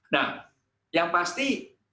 nah yang pasti